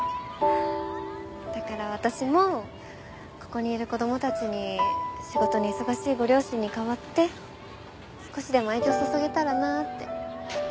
だから私もここにいる子供たちに仕事に忙しいご両親に代わって少しでも愛情を注げたらなって。